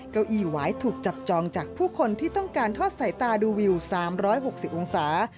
เก้าอี้หวายถูกจับจองจากผู้คนที่ต้องการทอดสายตาดูวิว๓๖๐องศา